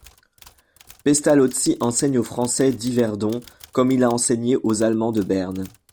Pestalozzi enseigne aux Français d'Yverdon comme il a enseigné aux Allemands de Berne.